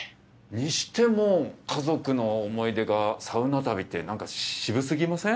にしても家族の思い出がサウナ旅ってなんか渋すぎません？